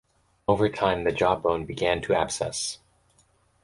Over time, the jaw bone began to abscess.